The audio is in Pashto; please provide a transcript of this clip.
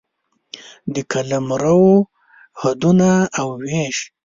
د قلمرو حدونه او وېش